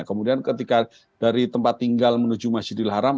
kemudian ketika dari tempat tinggal menuju masjidil haram